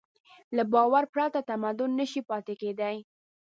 له باور پرته تمدن نهشي پاتې کېدی.